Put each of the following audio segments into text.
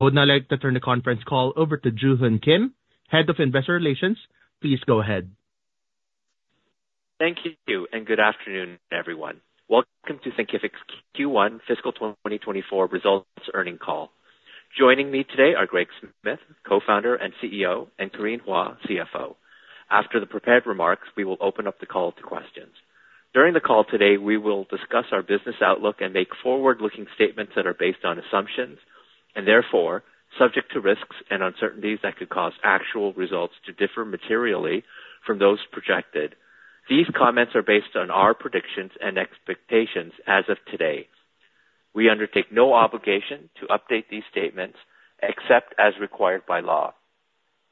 I would now like to turn the conference call over to Joo-Hun Kim, Head of Investor Relations. Please go ahead. Thank you, and good afternoon, everyone. Welcome to Thinkific's Q1 Fiscal 2024 Results Earnings Call. Joining me today are Greg Smith, Co-founder and CEO, and Corinne Hua, CFO. After the prepared remarks, we will open up the call to questions. During the call today, we will discuss our business outlook and make forward-looking statements that are based on assumptions, and therefore subject to risks and uncertainties that could cause actual results to differ materially from those projected. These comments are based on our predictions and expectations as of today. We undertake no obligation to update these statements except as required by law.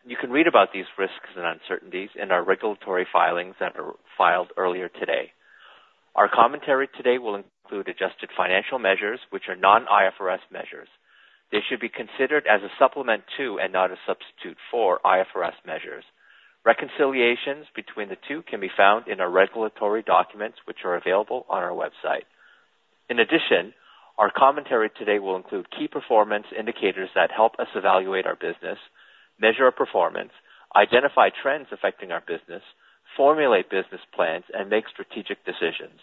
You can read about these risks and uncertainties in our regulatory filings that were filed earlier today. Our commentary today will include adjusted financial measures, which are non-IFRS measures. They should be considered as a supplement to, and not a substitute for, IFRS measures. Reconciliations between the two can be found in our regulatory documents, which are available on our website. In addition, our commentary today will include key performance indicators that help us evaluate our business, measure our performance, identify trends affecting our business, formulate business plans, and make strategic decisions.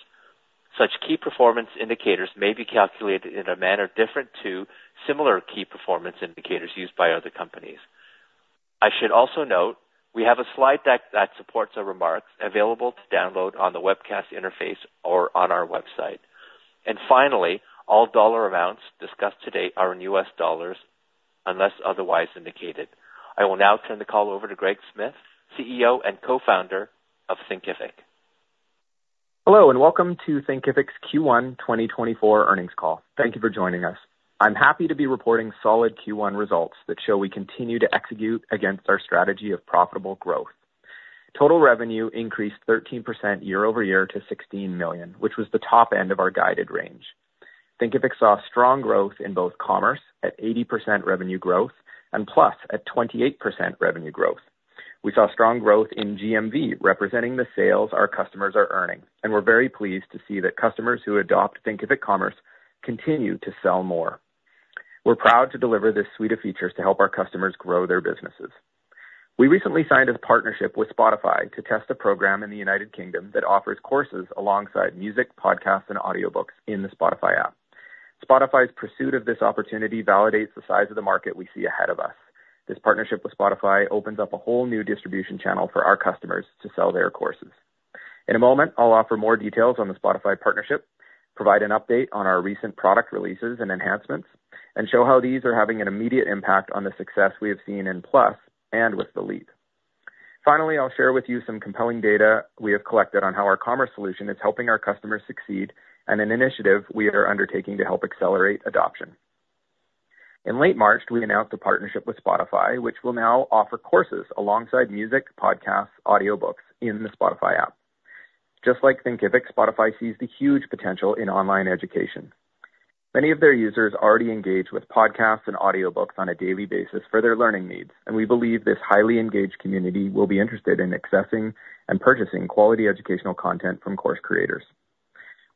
Such key performance indicators may be calculated in a manner different to similar key performance indicators used by other companies. I should also note we have a slide deck that supports our remarks, available to download on the webcast interface or on our website. Finally, all dollar amounts discussed today are in U.S. dollars, unless otherwise indicated. I will now turn the call over to Greg Smith, CEO and Co-founder of Thinkific. Hello, and welcome to Thinkific's Q1 2024 earnings call. Thank you for joining us. I'm happy to be reporting solid Q1 results that show we continue to execute against our strategy of profitable growth. Total revenue increased 13% year-over-year to $16 million, which was the top end of our guided range. Thinkific saw strong growth in both Commerce, at 80% revenue growth, and Plus, at 28% revenue growth. We saw strong growth in GMV, representing the sales our customers are earning, and we're very pleased to see that customers who adopt Thinkific Commerce continue to sell more. We're proud to deliver this suite of features to help our customers grow their businesses. We recently signed a partnership with Spotify to test a program in the United Kingdom that offers courses alongside music, podcasts and audiobooks in the Spotify app. Spotify's pursuit of this opportunity validates the size of the market we see ahead of us. This partnership with Spotify opens up a whole new distribution channel for our customers to sell their courses. In a moment, I'll offer more details on the Spotify partnership, provide an update on our recent product releases and enhancements, and show how these are having an immediate impact on the success we have seen in Plus and with The Leap. Finally, I'll share with you some compelling data we have collected on how our commerce solution is helping our customers succeed, and an initiative we are undertaking to help accelerate adoption. In late March, we announced a partnership with Spotify, which will now offer courses alongside music, podcasts, audiobooks in the Spotify app. Just like Thinkific, Spotify sees the huge potential in online education. Many of their users already engage with podcasts and audiobooks on a daily basis for their learning needs, and we believe this highly engaged community will be interested in accessing and purchasing quality educational content from course creators.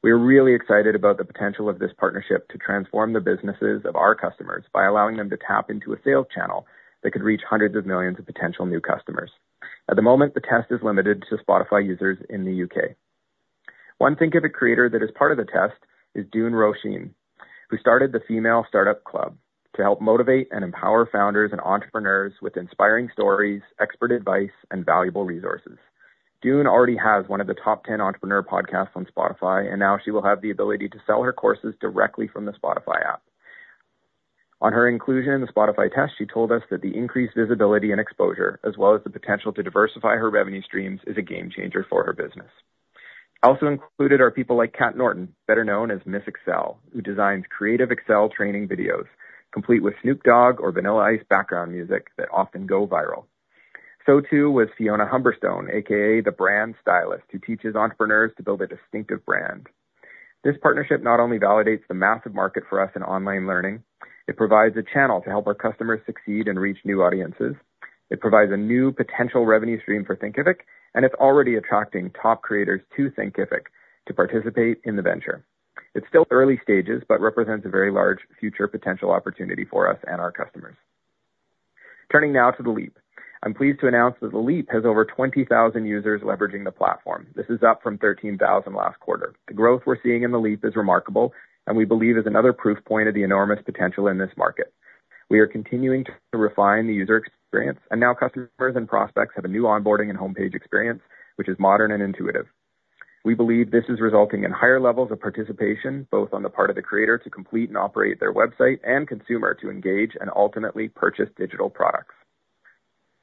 We are really excited about the potential of this partnership to transform the businesses of our customers by allowing them to tap into a sales channel that could reach hundreds of millions of potential new customers. At the moment, the test is limited to Spotify users in the U.K. One Thinkific creator that is part of the test is Doone Roisin, who started the Female Startup Club to help motivate and empower founders and entrepreneurs with inspiring stories, expert advice, and valuable resources. Doone already has one of the top ten entrepreneur podcasts on Spotify, and now she will have the ability to sell her courses directly from the Spotify app. On her inclusion in the Spotify test, she told us that the increased visibility and exposure, as well as the potential to diversify her revenue streams, is a game changer for her business. Also included are people like Cat Norton, better known as Miss Excel, who designs creative Excel training videos, complete with Snoop Dogg or Vanilla Ice background music that often go viral. So, too, was Fiona Humberstone, AKA The Brand Stylist, who teaches entrepreneurs to build a distinctive brand. This partnership not only validates the massive market for us in online learning, it provides a channel to help our customers succeed and reach new audiences. It provides a new potential revenue stream for Thinkific, and it's already attracting top creators to Thinkific to participate in the venture. It's still early stages, but represents a very large future potential opportunity for us and our customers. Turning now to The Leap. I'm pleased to announce that The Leap has over 20,000 users leveraging the platform. This is up from 13,000 last quarter. The growth we're seeing in The Leap is remarkable, and we believe is another proof point of the enormous potential in this market. We are continuing to refine the user experience, and now customers and prospects have a new onboarding and homepage experience, which is modern and intuitive. We believe this is resulting in higher levels of participation, both on the part of the creator to complete and operate their website, and consumer to engage and ultimately purchase digital products.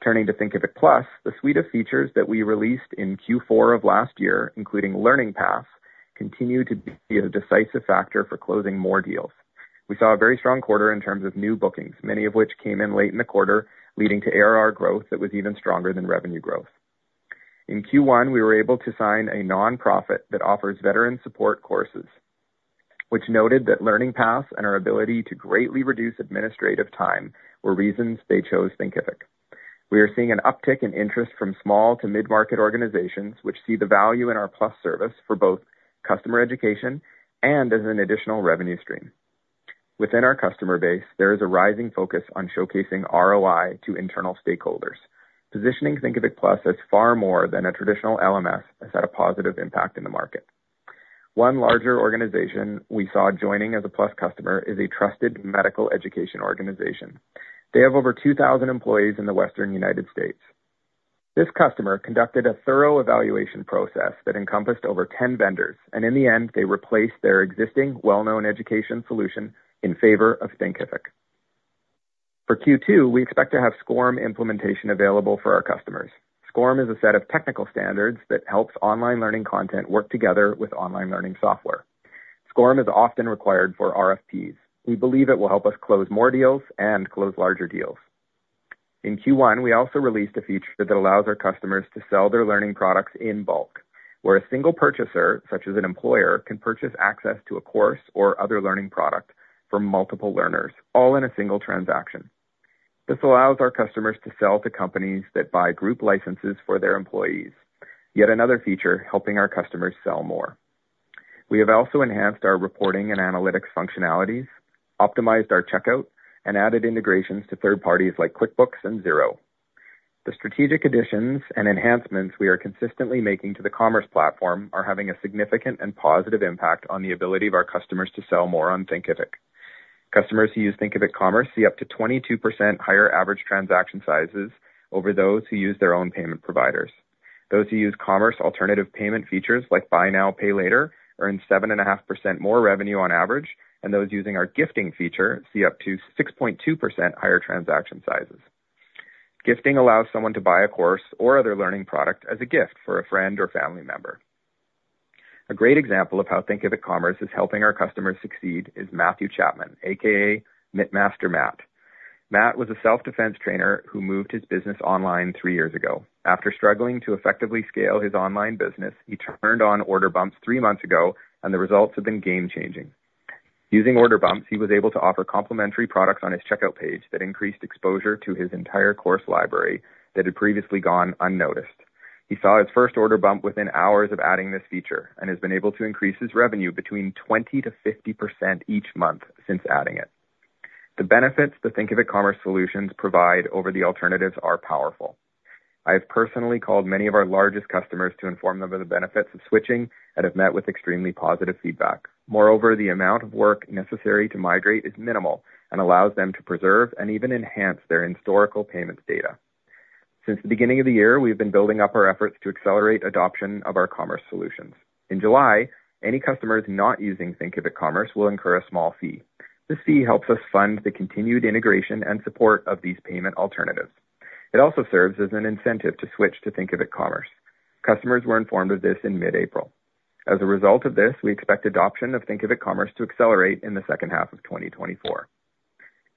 Turning to Thinkific Plus, the suite of features that we released in Q4 of last year, including Learning Paths, continue to be a decisive factor for closing more deals. We saw a very strong quarter in terms of new bookings, many of which came in late in the quarter, leading to ARR growth that was even stronger than revenue growth. In Q1, we were able to sign a nonprofit that offers veteran support courses, which noted that Learning Paths and our ability to greatly reduce administrative time were reasons they chose Thinkific. We are seeing an uptick in interest from small to mid-market organizations, which see the value in our Plus service for both customer education and as an additional revenue stream. Within our customer base, there is a rising focus on showcasing ROI to internal stakeholders. Positioning Thinkific Plus as far more than a traditional LMS has had a positive impact in the market. One larger organization we saw joining as a Plus customer is a trusted medical education organization. They have over 2,000 employees in the Western United States. This customer conducted a thorough evaluation process that encompassed over 10 vendors, and in the end, they replaced their existing well-known education solution in favor of Thinkific. For Q2, we expect to have SCORM implementation available for our customers. SCORM is a set of technical standards that helps online learning content work together with online learning software. SCORM is often required for RFPs. We believe it will help us close more deals and close larger deals. In Q1, we also released a feature that allows our customers to sell their learning products in bulk, where a single purchaser, such as an employer, can purchase access to a course or other learning product from multiple learners, all in a single transaction. This allows our customers to sell to companies that buy group licenses for their employees, yet another feature helping our customers sell more. We have also enhanced our reporting and analytics functionalities, optimized our checkout, and added integrations to third parties like QuickBooks and Xero. The strategic additions and enhancements we are consistently making to the commerce platform are having a significant and positive impact on the ability of our customers to sell more on Thinkific. Customers who use Thinkific Commerce see up to 22% higher average transaction sizes over those who use their own payment providers. Those who use commerce alternative payment features like Buy Now, Pay Later, earn 7.5% more revenue on average, and those using our gifting feature see up to 6.2% higher transaction sizes. Gifting allows someone to buy a course or other learning product as a gift for a friend or family member. A great example of how Thinkific Commerce is helping our customers succeed is Matthew Chapman, AKA Knit Master Matt. Matt was a self-defense trainer who moved his business online three years ago. After struggling to effectively scale his online business, he turned on order bumps three months ago, and the results have been game-changing. Using order bumps, he was able to offer complimentary products on his checkout page that increased exposure to his entire course library that had previously gone unnoticed. He saw his first order bump within hours of adding this feature and has been able to increase his revenue between 20%-50% each month since adding it. The benefits the Thinkific Commerce Solutions provide over the alternatives are powerful. I have personally called many of our largest customers to inform them of the benefits of switching and have met with extremely positive feedback. Moreover, the amount of work necessary to migrate is minimal and allows them to preserve and even enhance their historical payments data. Since the beginning of the year, we've been building up our efforts to accelerate adoption of our commerce solutions. In July, any customers not using Thinkific Commerce will incur a small fee. This fee helps us fund the continued integration and support of these payment alternatives. It also serves as an incentive to switch to Thinkific Commerce. Customers were informed of this in mid-April. As a result of this, we expect adoption of Thinkific Commerce to accelerate in the second half of 2024.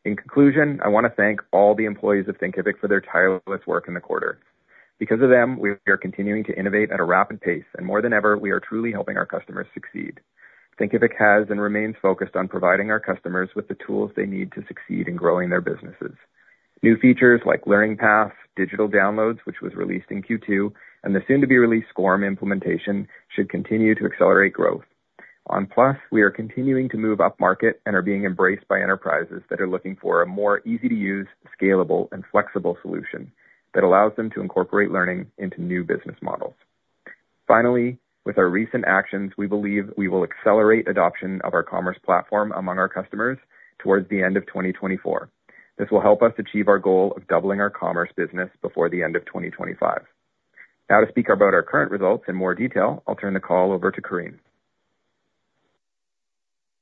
In conclusion, I want to thank all the employees of Thinkific for their tireless work in the quarter. Because of them, we are continuing to innovate at a rapid pace, and more than ever, we are truly helping our customers succeed. Thinkific has and remains focused on providing our customers with the tools they need to succeed in growing their businesses. New features like Learning Paths, Digital Downloads, which was released in Q2, and the soon-to-be-released SCORM implementation should continue to accelerate growth. On Plus, we are continuing to move upmarket and are being embraced by enterprises that are looking for a more easy-to-use, scalable, and flexible solution that allows them to incorporate learning into new business models. Finally, with our recent actions, we believe we will accelerate adoption of our commerce platform among our customers towards the end of 2024. This will help us achieve our goal of doubling our commerce business before the end of 2025. Now to speak about our current results in more detail, I'll turn the call over to Corinne.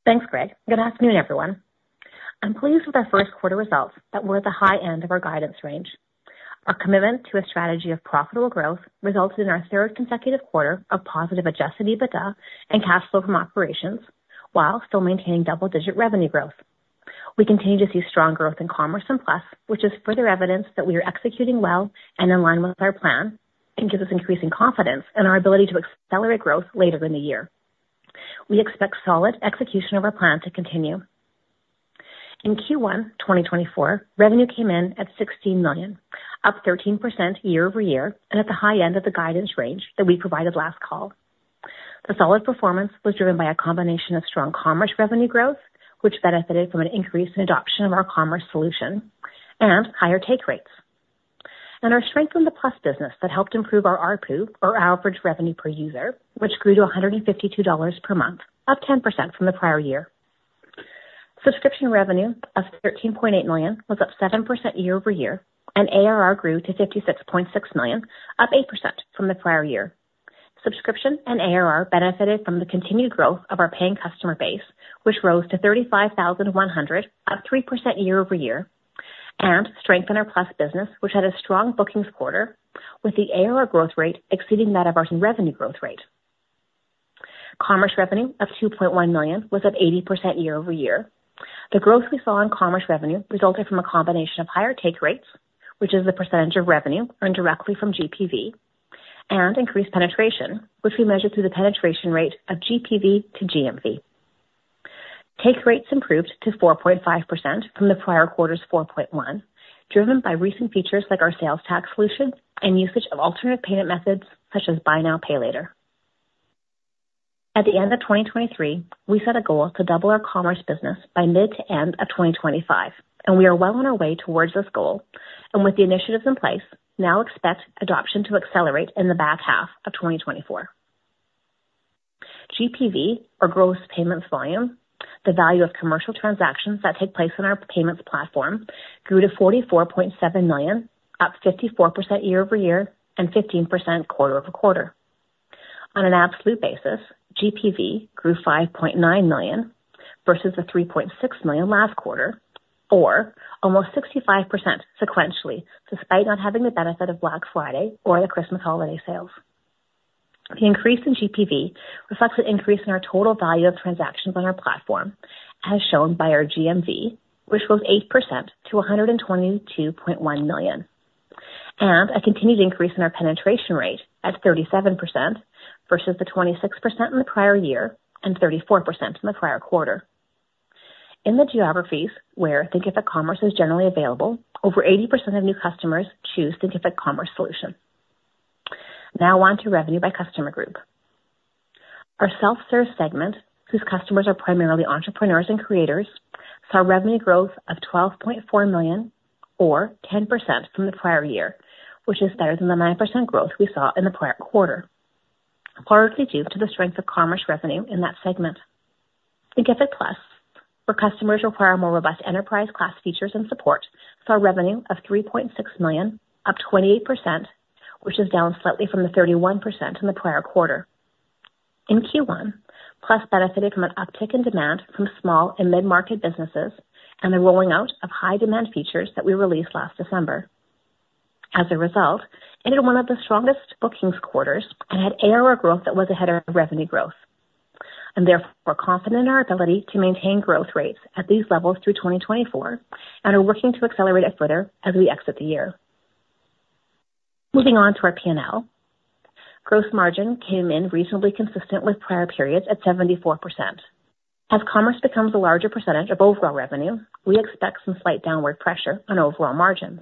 Thanks, Greg. Good afternoon, everyone. I'm pleased with our first quarter results that were at the high end of our guidance range. Our commitment to a strategy of profitable growth resulted in our third consecutive quarter of positive adjusted EBITDA and cash flow from operations, while still maintaining double-digit revenue growth. We continue to see strong growth in commerce and Plus, which is further evidence that we are executing well and in line with our plan, and gives us increasing confidence in our ability to accelerate growth later in the year. We expect solid execution of our plan to continue. In Q1 2024, revenue came in at $16 million, up 13% year-over-year, and at the high end of the guidance range that we provided last call. The solid performance was driven by a combination of strong commerce revenue growth, which benefited from an increase in adoption of our commerce solution and higher take rates, and our strength in the Plus business that helped improve our ARPU, or average revenue per user, which grew to $152 per month, up 10% from the prior year. Subscription revenue of $13.8 million was up 7% year-over-year, and ARR grew to $56.6 million, up 8% from the prior year. Subscription and ARR benefited from the continued growth of our paying customer base, which rose to 35,100, up 3% year-over-year, and strengthened our Plus business, which had a strong bookings quarter, with the ARR growth rate exceeding that of our revenue growth rate. Commerce revenue of $2.1 million was up 80% year-over-year. The growth we saw in commerce revenue resulted from a combination of higher take rates, which is the percentage of revenue earned directly from GPV, and increased penetration, which we measure through the penetration rate of GPV to GMV. Take rates improved to 4.5% from the prior quarter's 4.1%, driven by recent features like our sales tax solution and usage of alternative payment methods such as buy now, pay later. At the end of 2023, we set a goal to double our commerce business by mid to end of 2025, and we are well on our way towards this goal, and with the initiatives in place, now expect adoption to accelerate in the back half of 2024. GPV, or gross payments volume, the value of commercial transactions that take place on our payments platform, grew to $44.7 million, up 54% year-over-year and 15% quarter-over-quarter. On an absolute basis, GPV grew $5.9 million versus the $3.6 million last quarter, or almost 65% sequentially, despite not having the benefit of Black Friday or the Christmas holiday sales. The increase in GPV reflects an increase in our total value of transactions on our platform, as shown by our GMV, which was 8% to $122.1 million, and a continued increase in our penetration rate at 37% versus the 26% in the prior year and 34% in the prior quarter. In the geographies where Thinkific Commerce is generally available, over 80% of new customers choose Thinkific Commerce Solution. Now on to revenue by customer group. Our self-serve segment, whose customers are primarily entrepreneurs and creators, saw revenue growth of $12.4 million, or 10% from the prior year, which is better than the 9% growth we saw in the prior quarter, partly due to the strength of commerce revenue in that segment. Thinkific Plus, where customers require more robust enterprise class features and support, saw revenue of $3.6 million, up 28%, which is down slightly from the 31% in the prior quarter. In Q1, Plus benefited from an uptick in demand from small and mid-market businesses and the rolling out of high demand features that we released last December. As a result, ended one of the strongest bookings quarters and had ARR growth that was ahead of revenue growth. Therefore, we're confident in our ability to maintain growth rates at these levels through 2024 and are working to accelerate it further as we exit the year. Moving on to our P&L. Gross margin came in reasonably consistent with prior periods at 74%. As commerce becomes a larger percentage of overall revenue, we expect some slight downward pressure on overall margins.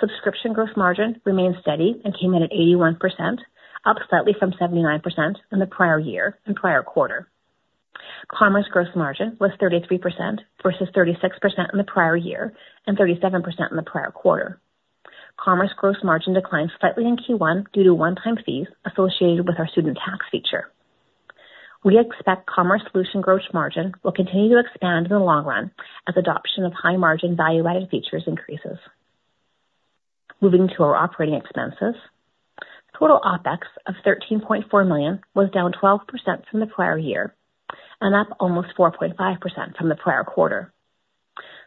Subscription gross margin remained steady and came in at 81%, up slightly from 79% in the prior year and prior quarter. Commerce gross margin was 33% versus 36% in the prior year and 37% in the prior quarter. Commerce gross margin declined slightly in Q1 due to one-time fees associated with our student tax feature. We expect commerce solution gross margin will continue to expand in the long run as adoption of high margin value-added features increases. Moving to our operating expenses. Total OpEx of $13.4 million was down 12% from the prior year and up almost 4.5% from the prior quarter.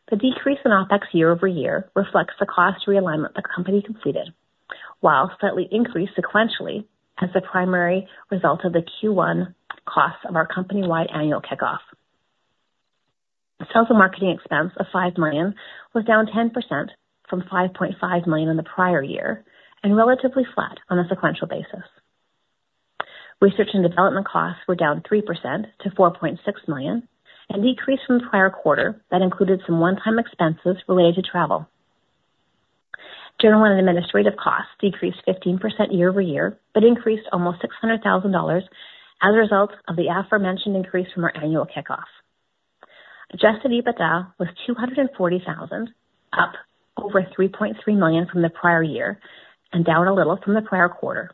The decrease in OpEx year-over-year reflects the cost realignment the company completed, while slightly increased sequentially as the primary result of the Q1 costs of our company-wide annual kickoff. Sales and marketing expense of $5 million was down 10% from $5.5 million in the prior year and relatively flat on a sequential basis. Research and development costs were down 3% to $4.6 million, and decreased from the prior quarter that included some one-time expenses related to travel. General and administrative costs decreased 15% year-over-year, but increased almost $600,000 as a result of the aforementioned increase from our annual kickoff. Adjusted EBITDA was $240,000, up over $3.3 million from the prior year and down a little from the prior quarter.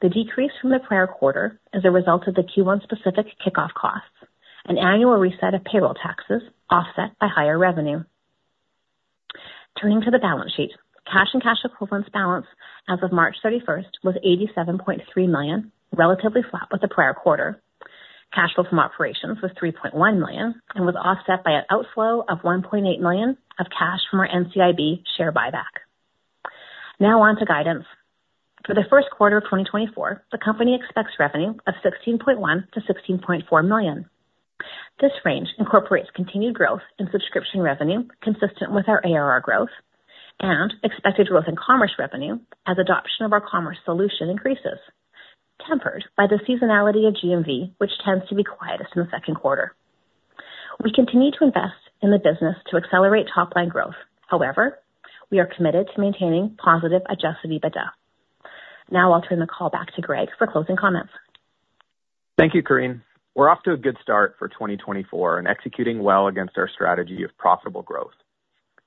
The decrease from the prior quarter is a result of the Q1 specific kickoff costs, an annual reset of payroll taxes offset by higher revenue. Turning to the balance sheet. Cash and cash equivalents balance as of March 31st was $87.3 million, relatively flat with the prior quarter. Cash flow from operations was $3.1 million and was offset by an outflow of $1.8 million of cash from our NCIB share buyback. Now on to guidance. For the first quarter of 2024, the company expects revenue of $16.1 million-$16.4 million. This range incorporates continued growth in subscription revenue, consistent with our ARR growth and expected growth in commerce revenue as adoption of our commerce solution increases, tempered by the seasonality of GMV, which tends to be quietest in the second quarter. We continue to invest in the business to accelerate top-line growth. However, we are committed to maintaining positive adjusted EBITDA. Now I'll turn the call back to Greg for closing comments. Thank you, Corinne. We're off to a good start for 2024 and executing well against our strategy of profitable growth.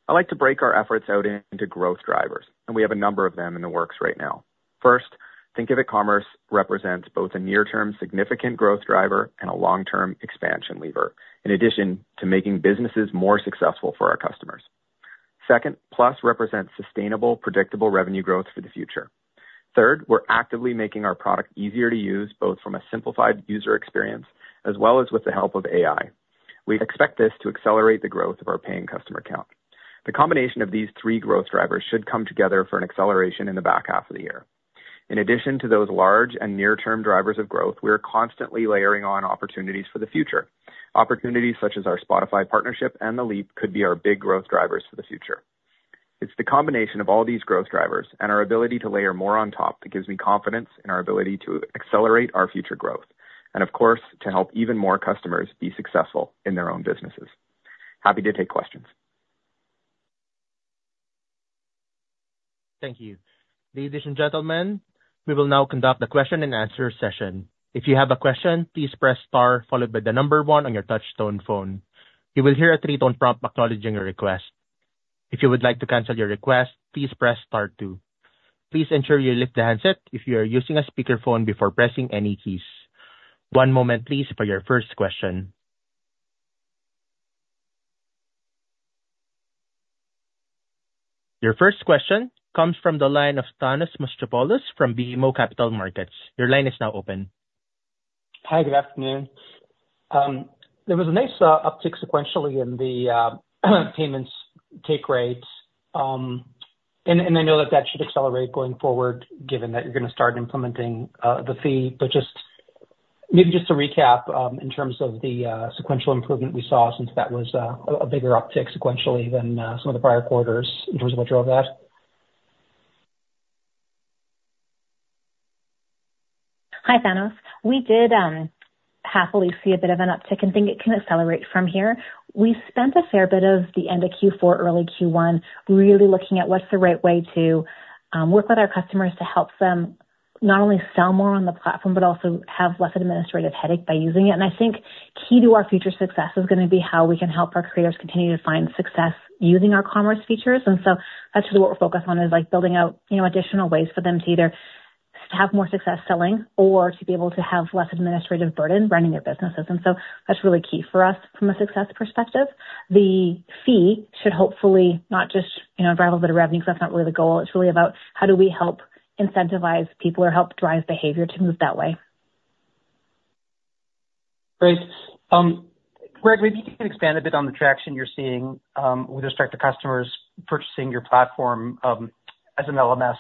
I'd like to break our efforts out into growth drivers, and we have a number of them in the works right now. First, Thinkific Commerce represents both a near-term significant growth driver and a long-term expansion lever, in addition to making businesses more successful for our customers. Second, Plus represents sustainable, predictable revenue growth for the future. Third, we're actively making our product easier to use, both from a simplified user experience as well as with the help of AI. We expect this to accelerate the growth of our paying customer count. The combination of these three growth drivers should come together for an acceleration in the back half of the year. In addition to those large and near-term drivers of growth, we are constantly layering on opportunities for the future. Opportunities such as our Spotify partnership and The Leap could be our big growth drivers for the future…. It's the combination of all these growth drivers and our ability to layer more on top that gives me confidence in our ability to accelerate our future growth, and of course, to help even more customers be successful in their own businesses. Happy to take questions. Thank you. Ladies and gentlemen, we will now conduct the question-and-answer session. If you have a question, please press star followed by the number one on your touchtone phone. You will hear a three-tone prompt acknowledging your request. If you would like to cancel your request, please press star two. Please ensure you lift the handset if you are using a speakerphone before pressing any keys. One moment, please, for your first question. Your first question comes from the line of Thanos Moschopoulos from BMO Capital Markets. Your line is now open. Hi, good afternoon. There was a nice uptick sequentially in the payments take rates. And I know that that should accelerate going forward, given that you're gonna start implementing the fee. But just, maybe just to recap, in terms of the sequential improvement we saw since that was a bigger uptick sequentially than some of the prior quarters, in terms of what drove that? Hi, Thanos. We did happily see a bit of an uptick and think it can accelerate from here. We spent a fair bit of the end of Q4, early Q1, really looking at what's the right way to work with our customers to help them not only sell more on the platform, but also have less administrative headache by using it. I think key to our future success is gonna be how we can help our creators continue to find success using our commerce features. So that's really what we're focused on, is like, building out, you know, additional ways for them to either to have more success selling or to be able to have less administrative burden running their businesses. So that's really key for us from a success perspective. The fee should hopefully not just, you know, drive a bit of revenue, 'cause that's not really the goal. It's really about how do we help incentivize people or help drive behavior to move that way. Great. Greg, maybe you can expand a bit on the traction you're seeing with respect to customers purchasing your platform as an LMS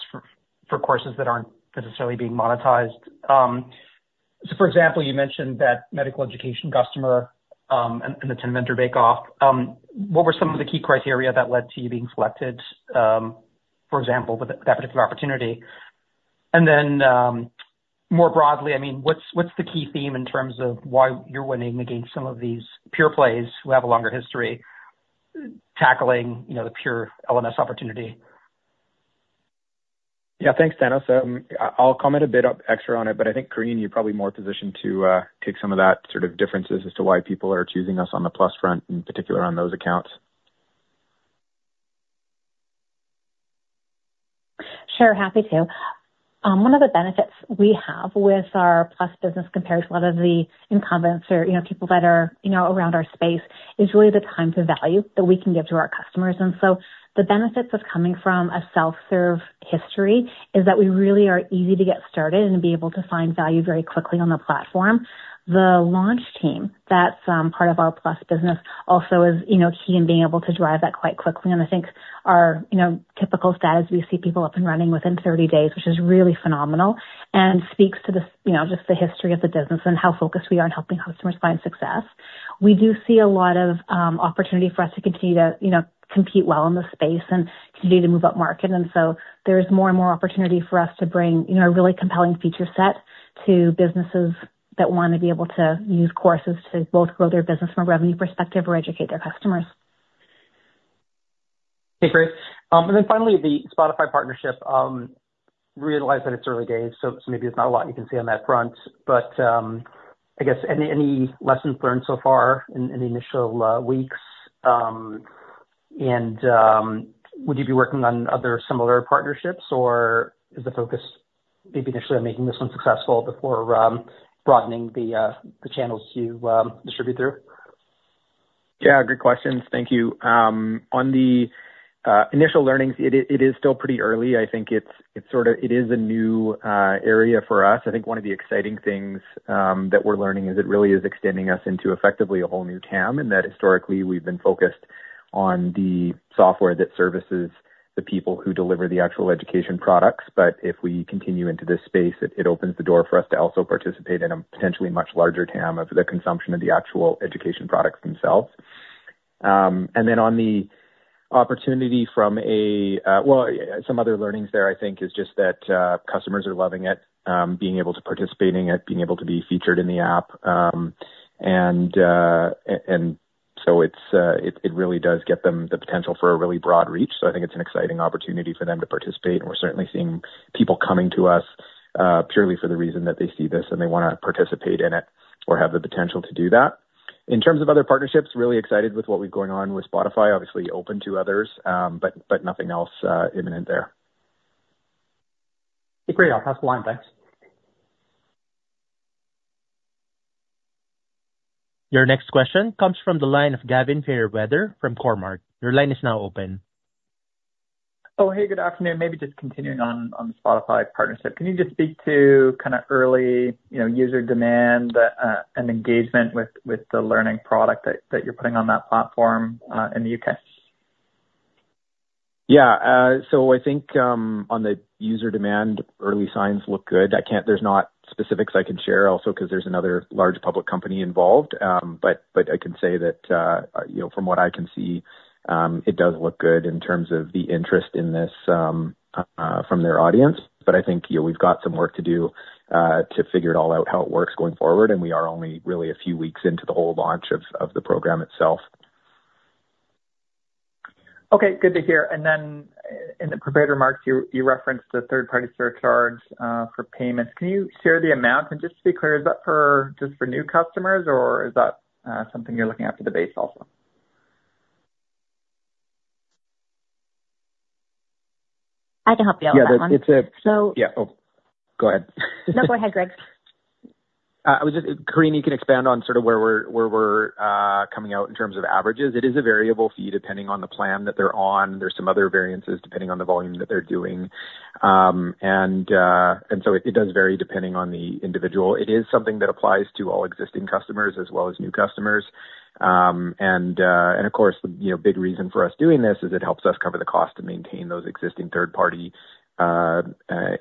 for courses that aren't necessarily being monetized. So for example, you mentioned that medical education customer and the 10-vendor bake off. What were some of the key criteria that led to you being selected for example with that particular opportunity? And then more broadly, I mean, what's the key theme in terms of why you're winning against some of these pure plays who have a longer history tackling you know the pure LMS opportunity? Yeah, thanks, Thanos. I, I'll comment a bit extra on it, but I think, Corinne, you're probably more positioned to, take some of that sort of differences as to why people are choosing us on the Plus front, in particular on those accounts. Sure, happy to. One of the benefits we have with our Plus business compared to a lot of the incumbents or, you know, people that are, you know, around our space, is really the time to value that we can give to our customers. And so the benefits of coming from a self-serve history is that we really are easy to get started and be able to find value very quickly on the platform. The launch team, that's part of our Plus business, also is, you know, key in being able to drive that quite quickly. And I think our, you know, typical SaaS, we see people up and running within 30 days, which is really phenomenal, and speaks to the, you know, just the history of the business and how focused we are on helping customers find success. We do see a lot of opportunity for us to continue to, you know, compete well in the space and continue to move up market. And so there's more and more opportunity for us to bring, you know, a really compelling feature set to businesses that wanna be able to use courses to both grow their business from a revenue perspective or educate their customers. Okay, great. And then finally, the Spotify partnership. Realize that it's early days, so maybe there's not a lot you can see on that front. But I guess any lessons learned so far in the initial weeks? And would you be working on other similar partnerships, or is the focus maybe initially on making this one successful before broadening the channels to distribute through? Yeah, great questions. Thank you. On the initial learnings, it is still pretty early. I think it's sort of... It is a new area for us. I think one of the exciting things that we're learning is it really is extending us into effectively a whole new TAM, in that historically we've been focused on the software that services the people who deliver the actual education products. But if we continue into this space, it opens the door for us to also participate in a potentially much larger TAM of the consumption of the actual education products themselves. And then on the opportunity from a well, some other learnings there, I think is just that customers are loving it, being able to participate in it, being able to be featured in the app. So it really does get them the potential for a really broad reach. So I think it's an exciting opportunity for them to participate, and we're certainly seeing people coming to us purely for the reason that they see this, and they wanna participate in it or have the potential to do that. In terms of other partnerships, really excited with what we have going on with Spotify. Obviously open to others, but nothing else imminent there. Great. I'll pass the line. Thanks. Your next question comes from the line of Gavin Fairweather from Cormark. Your line is now open. Oh, hey, good afternoon. Maybe just continuing on, on the Spotify partnership, can you just speak to kind of early, you know, user demand, and engagement with, with the learning product that, that you're putting on that platform, in the U.K.?... Yeah, so I think, on the user demand, early signs look good. I can't. There's not specifics I can share also, 'cause there's another large public company involved. But I can say that, you know, from what I can see, it does look good in terms of the interest in this, from their audience. But I think, you know, we've got some work to do, to figure it all out, how it works going forward, and we are only really a few weeks into the whole launch of the program itself. Okay, good to hear. And then in the prepared remarks, you referenced the third-party surcharge for payments. Can you share the amount? And just to be clear, is that just for new customers, or is that something you're looking at for the base also? I can help you out with that one. Yeah, but it's a- So- Yeah. Oh, go ahead. No, go ahead, Greg. I was just... Corinne, you can expand on sort of where we're coming out in terms of averages. It is a variable fee, depending on the plan that they're on. There's some other variances, depending on the volume that they're doing. And so it does vary depending on the individual. It is something that applies to all existing customers as well as new customers. And of course, you know, big reason for us doing this is it helps us cover the cost to maintain those existing third party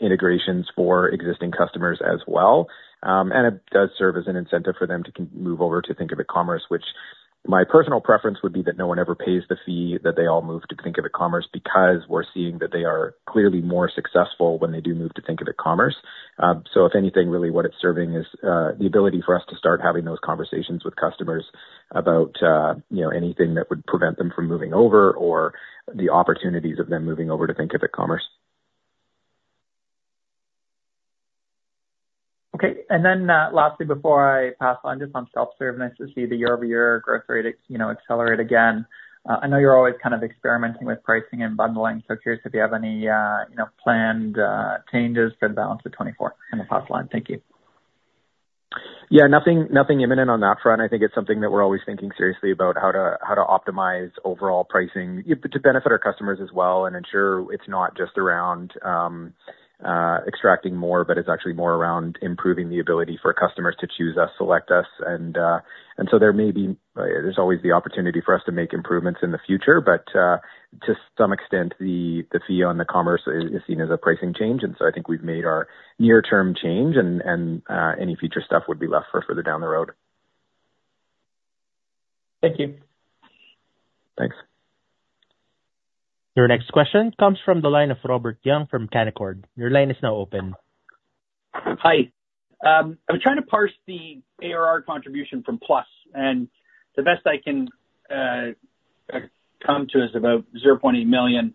integrations for existing customers as well. And it does serve as an incentive for them to move over to Thinkific Commerce, which my personal preference would be that no one ever pays the fee, that they all move to Thinkific Commerce, because we're seeing that they are clearly more successful when they do move to Thinkific Commerce. So if anything, really what it's serving is the ability for us to start having those conversations with customers about, you know, anything that would prevent them from moving over or the opportunities of them moving over to Thinkific Commerce. Okay. Then, lastly, before I pass on, just on self-service, nice to see the year-over-year growth rate, you know, accelerate again. I know you're always kind of experimenting with pricing and bundling, so curious if you have any, you know, planned changes for the balance of 2024? I'll pass the line. Thank you. Yeah, nothing, nothing imminent on that front. I think it's something that we're always thinking seriously about how to, how to optimize overall pricing, to benefit our customers as well and ensure it's not just around, extracting more, but it's actually more around improving the ability for customers to choose us, select us. And, and so there may be, there's always the opportunity for us to make improvements in the future, but, to some extent, the, the fee on the commerce is, is seen as a pricing change, and so I think we've made our near-term change and, and, any future stuff would be left for further down the road. Thank you. Thanks. Your next question comes from the line of Robert Young from Canaccord. Your line is now open. Hi. I'm trying to parse the ARR contribution from Plus, and the best I can come to is about $0.8 million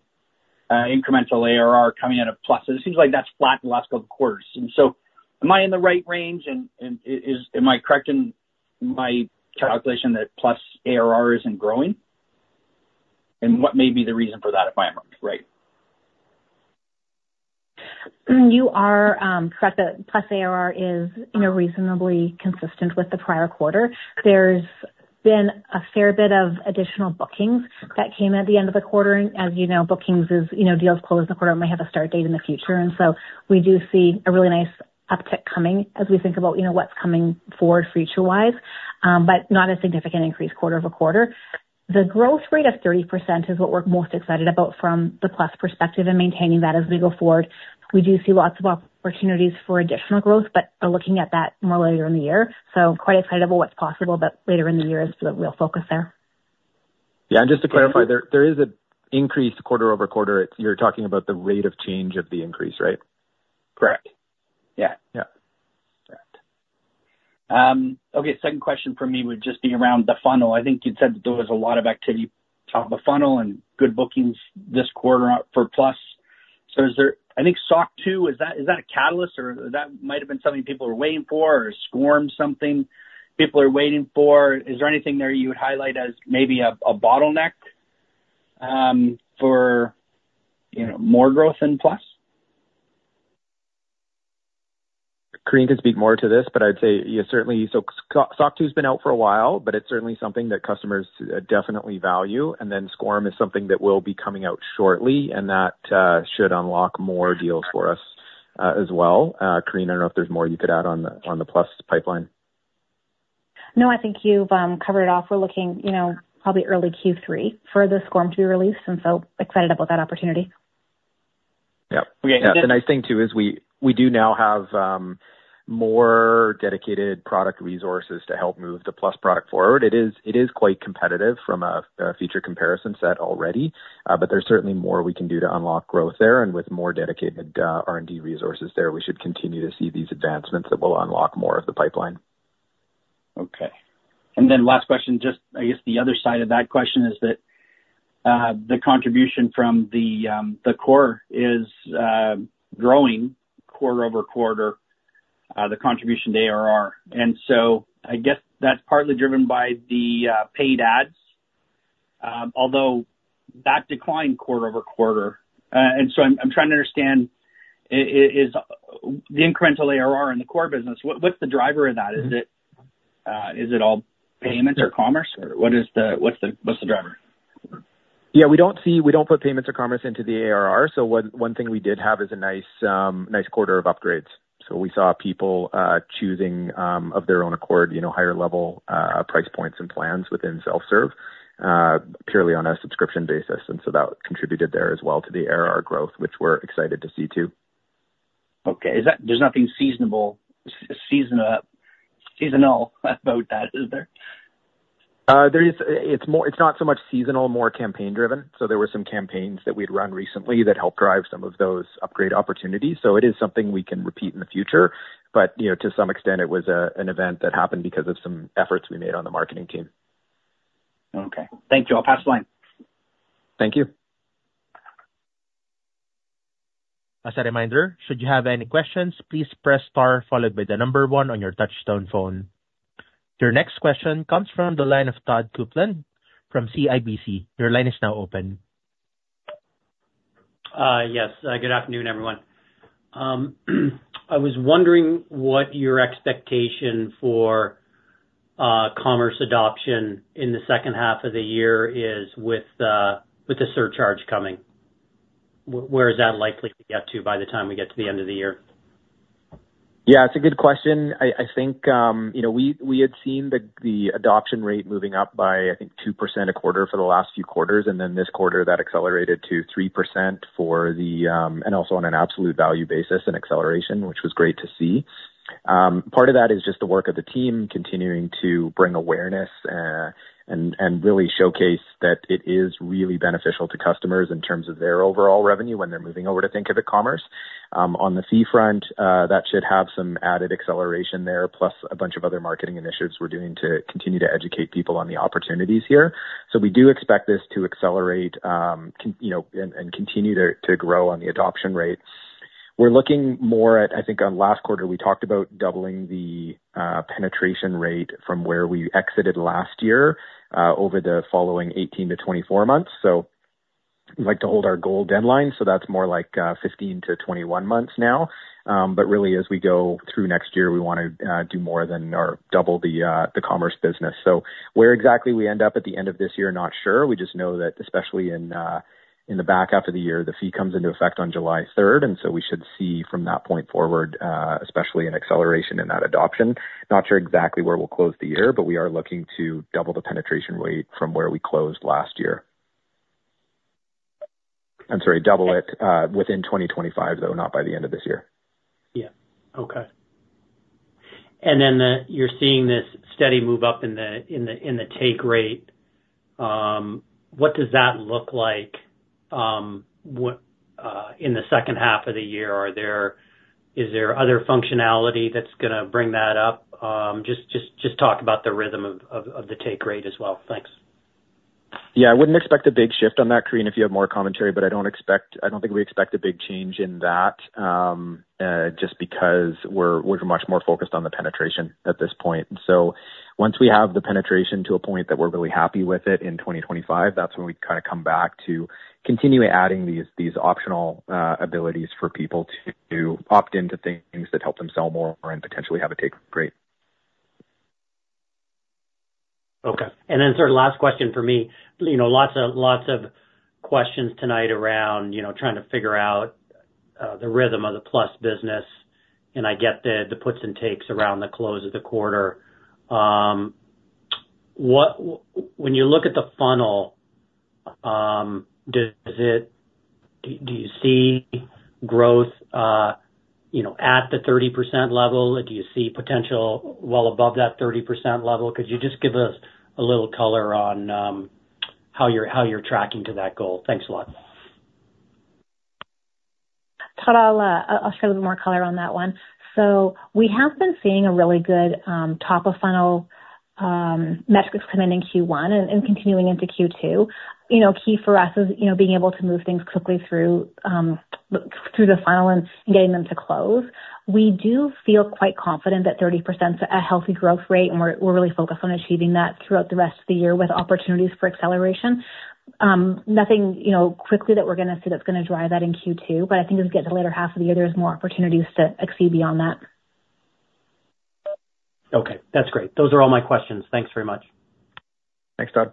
incremental ARR coming out of Plus. It seems like that's flat in the last couple quarters, and so am I in the right range, and am I correct in my calculation that Plus ARR isn't growing? And what may be the reason for that, if I am right? You are correct that Plus ARR is, you know, reasonably consistent with the prior quarter. There's been a fair bit of additional bookings that came at the end of the quarter. As you know, bookings is, you know, deals closed, the quarter may have a start date in the future, and so we do see a really nice uptick coming as we think about, you know, what's coming forward future wise, but not a significant increase quarter over quarter. The growth rate of 30% is what we're most excited about from the Plus perspective and maintaining that as we go forward. We do see lots of opportunities for additional growth, but we're looking at that more later in the year, so quite excited about what's possible, but later in the year is the real focus there. Yeah, and just to clarify, there, there is an increase quarter-over-quarter. It's. You're talking about the rate of change of the increase, right? Correct. Yeah. Yeah. Correct. Okay, second question for me would just be around the funnel. I think you'd said that there was a lot of activity top of the funnel and good bookings this quarter for Plus. So is there... I think SOC 2, is that, is that a catalyst or that might have been something people are waiting for, or SCORM something people are waiting for? Is there anything there you would highlight as maybe a, a bottleneck, for, you know, more growth in Plus? Corinne can speak more to this, but I'd say yeah, certainly. So SOC 2's been out for a while, but it's certainly something that customers definitely value. And then SCORM is something that will be coming out shortly, and that should unlock more deals for us, as well. Corinne, I don't know if there's more you could add on the, on the Plus pipeline. No, I think you've covered it off. We're looking, you know, probably early Q3 for the SCORM to be released, and so excited about that opportunity. Yep. Okay, and- The nice thing, too, is we do now have more dedicated product resources to help move the Plus product forward. It is quite competitive from a feature comparison set already, but there's certainly more we can do to unlock growth there, and with more dedicated R&D resources there, we should continue to see these advancements that will unlock more of the pipeline. Okay. And then last question, just, I guess the other side of that question is that, the contribution from the core is growing quarter-over-quarter, the contribution to ARR. And so I guess that's partly driven by the paid ads, although that declined quarter-over-quarter. And so I'm trying to understand is, the incremental ARR in the core business, what's the driver of that? Mm-hmm. Is it, is it all payments or commerce, or what is the, what's the, what's the driver? Yeah, we don't see— We don't put payments or commerce into the ARR, so one, one thing we did have is a nice, nice quarter of upgrades. So we saw people choosing, of their own accord, you know, higher level, price points and plans within self-serve, purely on a subscription basis, and so that contributed there as well to the ARR growth, which we're excited to see too. Okay. There's nothing seasonal about that, is there? There is, it's more—it's not so much seasonal, more campaign driven. So there were some campaigns that we'd run recently that helped drive some of those upgrade opportunities. So it is something we can repeat in the future, but, you know, to some extent, it was an event that happened because of some efforts we made on the marketing team. Okay, thank you. I'll pass the line. Thank you. As a reminder, should you have any questions, please press star followed by the number one on your touchtone phone. Your next question comes from the line of Todd Coupland from CIBC. Your line is now open. Yes, good afternoon, everyone. I was wondering what your expectation for commerce adoption in the second half of the year is with the surcharge coming. Where is that likely to get to by the time we get to the end of the year? Yeah, it's a good question. I think, you know, we had seen the adoption rate moving up by, I think, 2% a quarter for the last few quarters, and then this quarter that accelerated to 3% for the... Also on an absolute value basis and acceleration, which was great to see. Part of that is just the work of the team continuing to bring awareness, and really showcase that it is really beneficial to customers in terms of their overall revenue when they're moving over to Thinkific Commerce. On the fee front, that should have some added acceleration there, plus a bunch of other marketing initiatives we're doing to continue to educate people on the opportunities here. So we do expect this to accelerate, you know, and continue to grow on the adoption rates. We're looking more at, I think on last quarter, we talked about doubling the penetration rate from where we exited last year over the following 18-24 months. So we like to hold our goal deadline, so that's more like 15-21 months now. But really, as we go through next year, we wanna do more than or double the commerce business. So where exactly we end up at the end of this year, not sure. We just know that especially in the back half of the year, the fee comes into effect on July 3rd, and so we should see from that point forward, especially in acceleration in that adoption. Not sure exactly where we'll close the year, but we are looking to double the penetration rate from where we closed last year. I'm sorry, double it, within 2025, though, not by the end of this year. Yeah. Okay. And then you're seeing this steady move up in the take rate. What does that look like in the second half of the year? Is there other functionality that's gonna bring that up? Just talk about the rhythm of the take rate as well. Thanks. Yeah, I wouldn't expect a big shift on that, Corinne, if you have more commentary, but I don't think we expect a big change in that, just because we're much more focused on the penetration at this point. So once we have the penetration to a point that we're really happy with it in 2025, that's when we kind of come back to continue adding these optional abilities for people to opt into things that help them sell more and potentially have a take rate. Okay. And then sort of last question for me. You know, lots of, lots of questions tonight around, you know, trying to figure out the rhythm of the plus business, and I get the, the puts and takes around the close of the quarter. When you look at the funnel, do you see growth, you know, at the 30% level? Do you see potential well above that 30% level? Could you just give us a little color on how you're, how you're tracking to that goal? Thanks a lot. Todd, I'll, I'll share a little more color on that one. So we have been seeing a really good, top of funnel, metrics come in in Q1 and, and continuing into Q2. You know, key for us is, you know, being able to move things quickly through, through the funnel and getting them to close. We do feel quite confident that 30% is a healthy growth rate, and we're, we're really focused on achieving that throughout the rest of the year with opportunities for acceleration. Nothing, you know, quickly that we're gonna see that's gonna drive that in Q2, but I think as we get to the latter half of the year, there's more opportunities to exceed beyond that. Okay, that's great. Those are all my questions. Thanks very much. Thanks, Todd.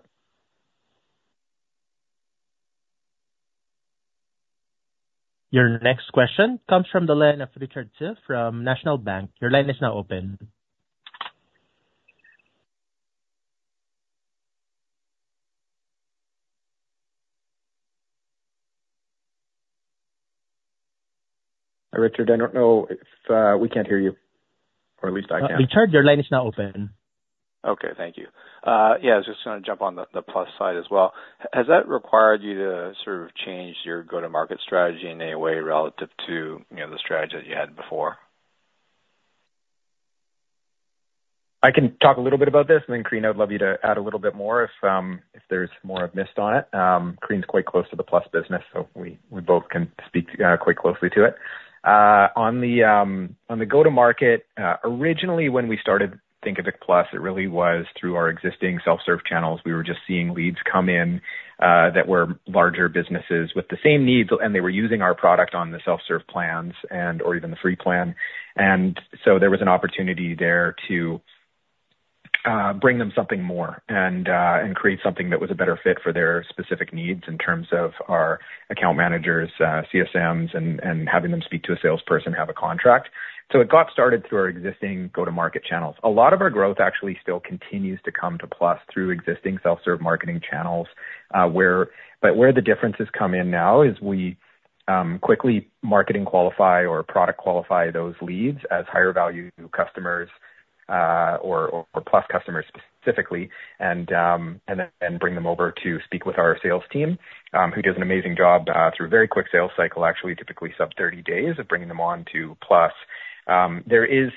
Your next question comes from the line of Richard Tse from National Bank. Your line is now open. Richard, I don't know if we can't hear you, or at least I can't. Richard, your line is now open. Okay. Thank you. Yeah, I was just gonna jump on the plus side as well. Has that required you to sort of change your go-to-market strategy in any way relative to, you know, the strategy that you had before? I can talk a little bit about this, and then, Corinne, I'd love you to add a little bit more if, if there's more I've missed on it. Corinne's quite close to the Plus business, so we, we both can speak, quite closely to it. On the, on the go-to-market, originally when we started Thinkific Plus, it really was through our existing self-serve channels. We were just seeing leads come in, that were larger businesses with the same needs, and they were using our product on the self-serve plans and, or even the free plan. And so there was an opportunity there to bring them something more and, and create something that was a better fit for their specific needs in terms of our account managers, CSMs, and, and having them speak to a salesperson, have a contract. So it got started through our existing go-to-market channels. A lot of our growth actually still continues to come to Plus through existing self-serve marketing channels, but where the differences come in now is we quickly marketing qualify or product qualify those leads as higher value customers, or Plus customers specifically, and then bring them over to speak with our sales team, who does an amazing job through a very quick sales cycle, actually, typically sub 30 days of bringing them on to Plus. There's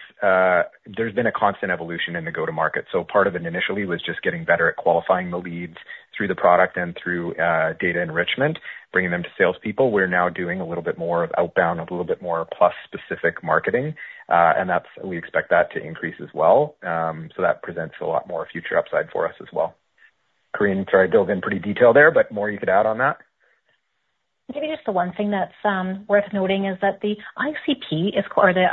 been a constant evolution in the go-to-market. So part of it initially was just getting better at qualifying the leads through the product and through data enrichment, bringing them to salespeople. We're now doing a little bit more of outbound, a little bit more Plus specific marketing, and that's. We expect that to increase as well. So that presents a lot more future upside for us as well. Corinne, sorry, dived in pretty detailed there, but more you could add on that? Maybe just the one thing that's worth noting is that the ICP is, or the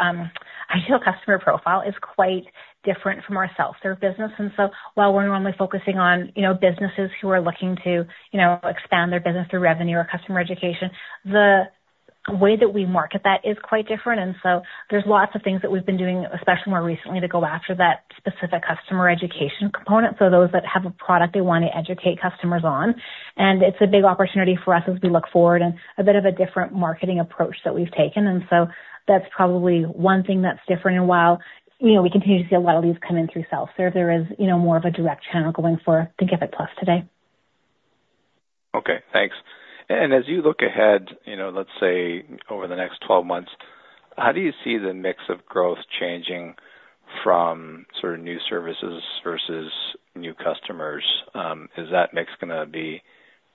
ideal customer profile, is quite different from our self-serve business. And so while we're only focusing on, you know, businesses who are looking to, you know, expand their business through revenue or customer education, the way that we market that is quite different. And so there's lots of things that we've been doing, especially more recently, to go after that specific customer education component, so those that have a product they want to educate customers on. And it's a big opportunity for us as we look forward, and a bit of a different marketing approach that we've taken. And so that's probably one thing that's different. While, you know, we continue to see a lot of leads come in through self-serve, there is, you know, more of a direct channel going for Thinkific Plus today. Okay, thanks. And as you look ahead, you know, let's say over the next 12 months, how do you see the mix of growth changing from sort of new services versus new customers? Is that mix gonna be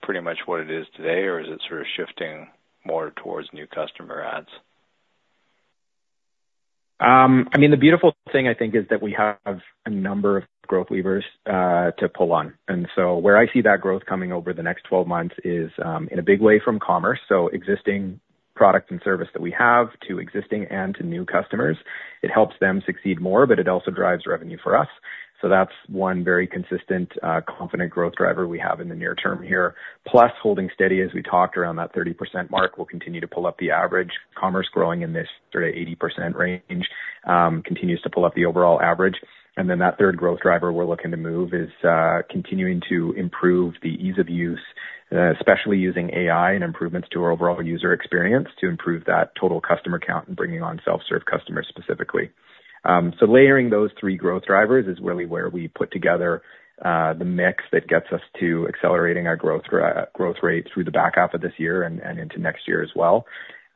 pretty much what it is today, or is it sort of shifting more towards new customer adds? I mean, the beautiful thing I think is that we have a number of growth levers to pull on. So where I see that growth coming over the next 12 months is in a big way from commerce, so existing product and service that we have to existing and to new customers. It helps them succeed more, but it also drives revenue for us. So that's one very consistent, confident growth driver we have in the near term here. Plus, holding steady, as we talked around, that 30% mark will continue to pull up the average. Commerce growing in this sort of 80% range continues to pull up the overall average. And then that third growth driver we're looking to move is, continuing to improve the ease of use, especially using AI and improvements to our overall user experience, to improve that total customer count and bringing on self-serve customers specifically. So layering those three growth drivers is really where we put together, the mix that gets us to accelerating our growth rate through the back half of this year and into next year as well.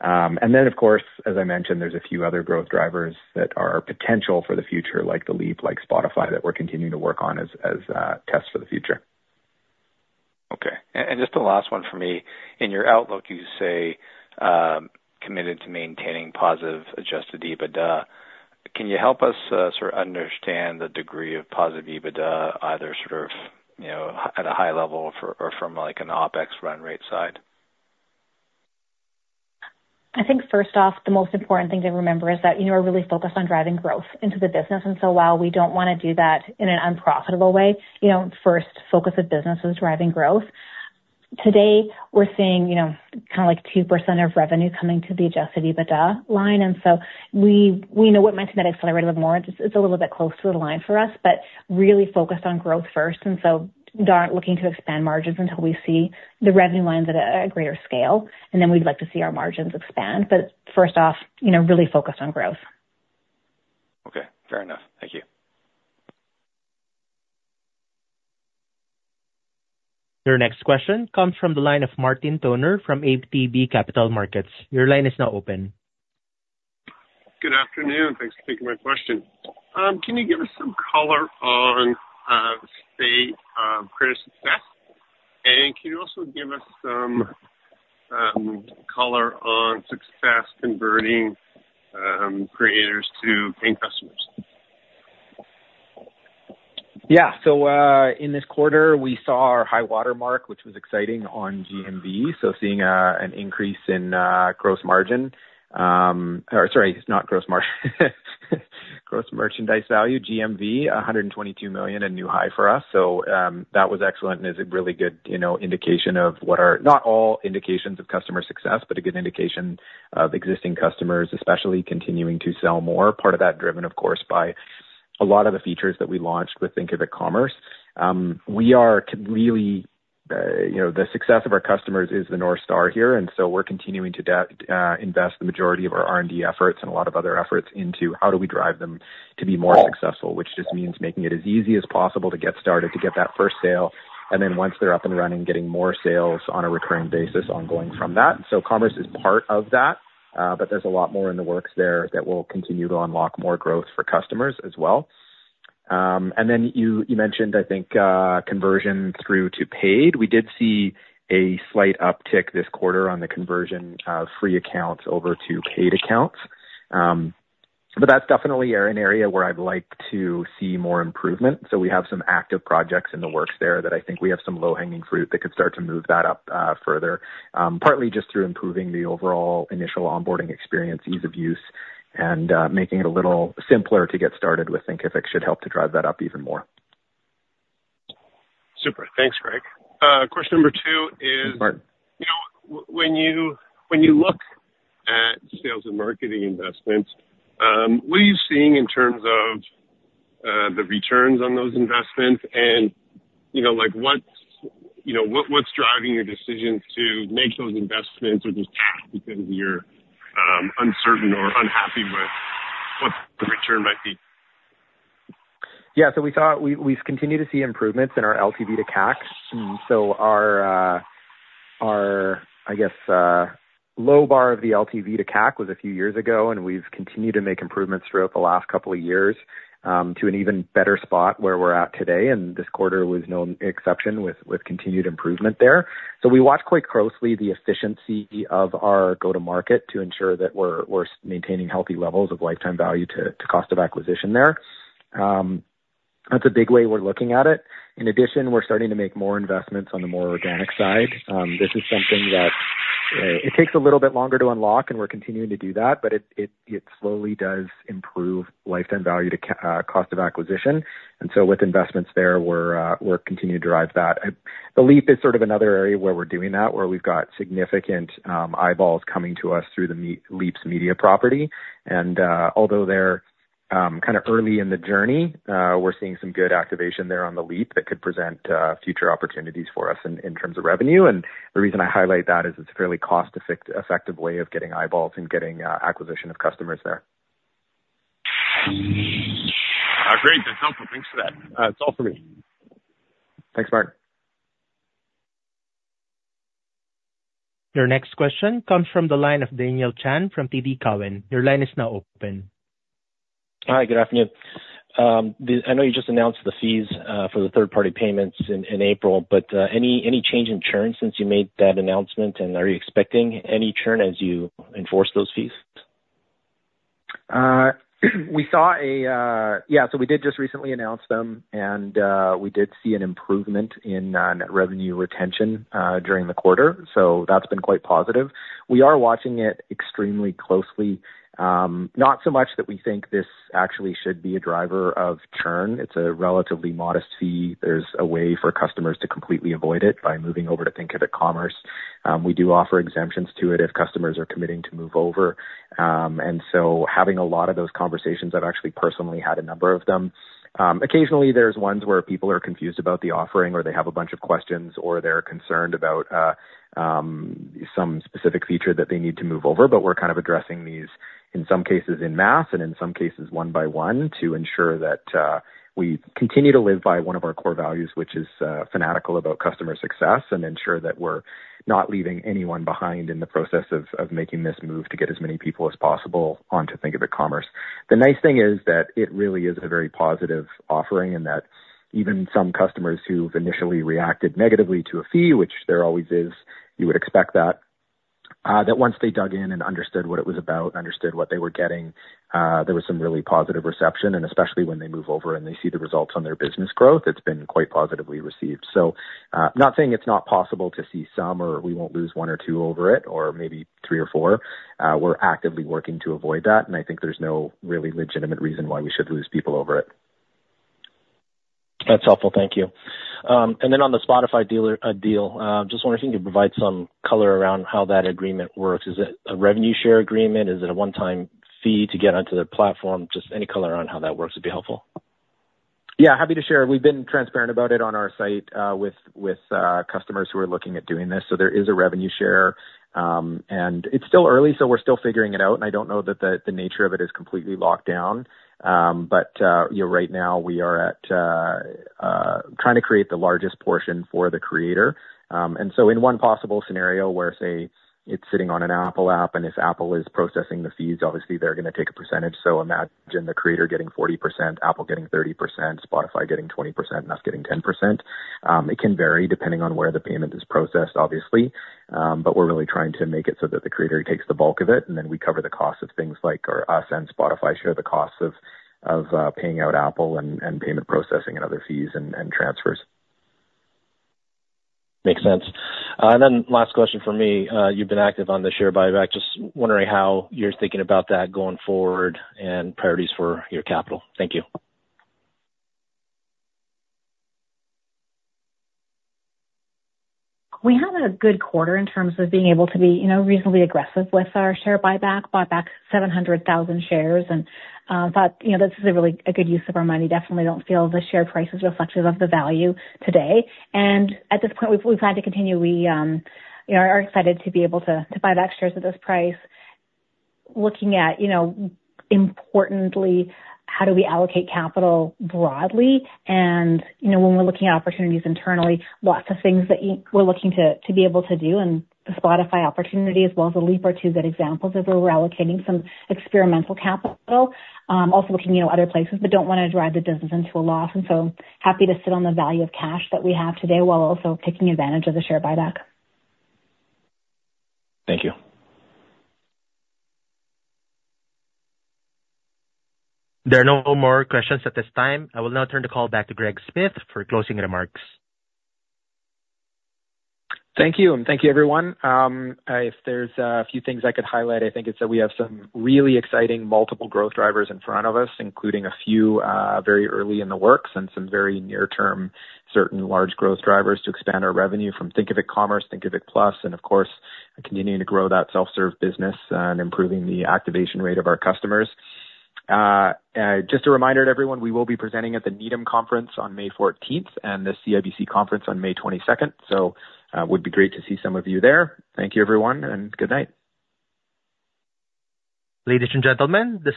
And then, of course, as I mentioned, there's a few other growth drivers that are potential for the future, like The Leap, like Spotify, that we're continuing to work on as tests for the future. Okay. And just the last one for me. In your outlook, you say, "Committed to maintaining positive adjusted EBITDA." Can you help us, sort of understand the degree of positive EBITDA, either sort of, you know, at a high level or from like an OpEx run rate side? I think first off, the most important thing to remember is that, you know, we're really focused on driving growth into the business. And so while we don't wanna do that in an unprofitable way, you know, first focus of business is driving growth. Today, we're seeing, you know, kind of like 2% of revenue coming to the adjusted EBITDA line, and so we, we know what might accelerate it a little more. It's, it's a little bit close to the line for us, but really focused on growth first, and so aren't looking to expand margins until we see the revenue lines at a, at a greater scale, and then we'd like to see our margins expand. But first off, you know, really focused on growth. Okay, fair enough. Thank you. Your next question comes from the line of Martin Toner from ATB Capital Markets. Your line is now open. Good afternoon. Thanks for taking my question. Can you give us some color on creator success? And can you also give us some color on success converting creators to paying customers? Yeah. So, in this quarter, we saw our high water mark, which was exciting, on GMV. So seeing an increase in gross margin, or sorry, not gross margin. Gross merchandise value, GMV, $122 million, a new high for us. So, that was excellent and is a really good, you know, indication of what are not all indications of customer success, but a good indication of existing customers, especially continuing to sell more. Part of that driven, of course, by a lot of the features that we launched with Thinkific Commerce. We are really, you know, the success of our customers is the North Star here, and so we're continuing to invest the majority of our R&D efforts and a lot of other efforts into how do we drive them to be more successful? Which just means making it as easy as possible to get started, to get that first sale, and then once they're up and running, getting more sales on a recurring basis ongoing from that. So commerce is part of that, but there's a lot more in the works there that will continue to unlock more growth for customers as well. And then you, you mentioned, I think, conversion through to paid. We did see a slight uptick this quarter on the conversion of free accounts over to paid accounts. But that's definitely an area where I'd like to see more improvement. So we have some active projects in the works there, that I think we have some low-hanging fruit that could start to move that up, further. Partly just through improving the overall initial onboarding experience, ease of use, and making it a little simpler to get started with Thinkific should help to drive that up even more.... Super. Thanks, Greg. Question number two is, you know, when you look at sales and marketing investments, what are you seeing in terms of the returns on those investments? And, you know, like, what's driving your decisions to make those investments or just because you're uncertain or unhappy with what the return might be? Yeah, so we've continued to see improvements in our LTV to CAC. So our low bar of the LTV to CAC was a few years ago, and we've continued to make improvements throughout the last couple of years to an even better spot where we're at today, and this quarter was no exception with continued improvement there. So we watch quite closely the efficiency of our go-to-market to ensure that we're maintaining healthy levels of lifetime value to cost of acquisition there. That's a big way we're looking at it. In addition, we're starting to make more investments on the more organic side. This is something that it takes a little bit longer to unlock, and we're continuing to do that, but it slowly does improve lifetime value to cost of acquisition. And so with investments there, we're continuing to drive that. The Leap is sort of another area where we're doing that, where we've got significant eyeballs coming to us through The Leap's media property. And although they're kind of early in the journey, we're seeing some good activation there on The Leap that could present future opportunities for us in terms of revenue. And the reason I highlight that is it's a fairly cost-effective way of getting eyeballs and getting acquisition of customers there. Great. That's helpful. Thanks for that. That's all for me. Thanks, Mark. Your next question comes from the line of Daniel Chan from TD Cowen. Your line is now open. Hi, good afternoon. I know you just announced the fees for the third-party payments in April, but any change in churn since you made that announcement? And are you expecting any churn as you enforce those fees? Yeah, so we did just recently announce them, and we did see an improvement in net revenue retention during the quarter, so that's been quite positive. We are watching it extremely closely, not so much that we think this actually should be a driver of churn. It's a relatively modest fee. There's a way for customers to completely avoid it by moving over to Thinkific Commerce. We do offer exemptions to it if customers are committing to move over. And so having a lot of those conversations, I've actually personally had a number of them. Occasionally, there's ones where people are confused about the offering, or they have a bunch of questions, or they're concerned about some specific feature that they need to move over, but we're kind of addressing these, in some cases, en masse, and in some cases, one by one, to ensure that we continue to live by one of our core values, which is fanatical about customer success, and ensure that we're not leaving anyone behind in the process of making this move to get as many people as possible onto Thinkific Commerce. The nice thing is that it really is a very positive offering, and that even some customers who've initially reacted negatively to a fee, which there always is, you would expect that, that once they dug in and understood what it was about, understood what they were getting, there was some really positive reception, and especially when they move over and they see the results on their business growth, it's been quite positively received. So, not saying it's not possible to see some or we won't lose one or two over it, or maybe three or four. We're actively working to avoid that, and I think there's no really legitimate reason why we should lose people over it. That's helpful. Thank you. And then on the Spotify deal, just wondering if you could provide some color around how that agreement works. Is it a revenue share agreement? Is it a one-time fee to get onto their platform? Just any color around how that works would be helpful. Yeah, happy to share. We've been transparent about it on our site, with customers who are looking at doing this. So there is a revenue share, and it's still early, so we're still figuring it out, and I don't know that the nature of it is completely locked down. But you know, right now we are at trying to create the largest portion for the creator. And so in one possible scenario where, say, it's sitting on an Apple app, and if Apple is processing the fees, obviously they're gonna take a percentage. So imagine the creator getting 40%, Apple getting 30%, Spotify getting 20%, and us getting 10%. It can vary depending on where the payment is processed, obviously. But we're really trying to make it so that the creator takes the bulk of it, and then we cover the cost of things like... Or us and Spotify share the costs of paying out Apple and payment processing and other fees and transfers. Makes sense. And then last question from me. You've been active on the share buyback. Just wondering how you're thinking about that going forward and priorities for your capital. Thank you. We had a good quarter in terms of being able to be, you know, reasonably aggressive with our share buyback. Bought back 700,000 shares and thought, you know, this is really a good use of our money. Definitely don't feel the share price is reflective of the value today, and at this point, we've, we plan to continue. We, you know, are excited to be able to, to buy back shares at this price. Looking at, you know, importantly, how do we allocate capital broadly? You know, when we're looking at opportunities internally, lots of things we're looking to, to be able to do, and the Spotify opportunity, as well as The Leap, are two good examples of where we're allocating some experimental capital. Also looking, you know, other places, but don't wanna drive the business into a loss, and so happy to sit on the value of cash that we have today, while also taking advantage of the share buyback. Thank you. There are no more questions at this time. I will now turn the call back to Greg Smith for closing remarks. Thank you, and thank you, everyone. If there's a few things I could highlight, I think it's that we have some really exciting multiple growth drivers in front of us, including a few very early in the works and some very near-term certain large growth drivers to expand our revenue from Thinkific Commerce, Thinkific Plus, and of course, continuing to grow that self-serve business and improving the activation rate of our customers. Just a reminder to everyone, we will be presenting at the Needham Conference on May 14th and the CIBC Conference on May 22nd, so would be great to see some of you there. Thank you, everyone, and good night. Ladies and gentlemen, this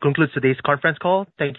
concludes today's conference call. Thank you.